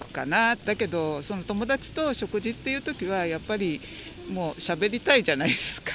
だけど、友達と食事っていうときは、やっぱりもうしゃべりたいじゃないですか。